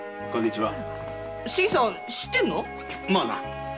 まあな。